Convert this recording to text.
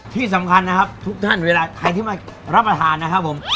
ที่สำคัญนะครับทุกท่านเวลาใครที่มารับประทานนะครับผม